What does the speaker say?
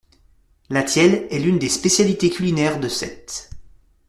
La tielle est l'une des spécialités culinaires de Sète.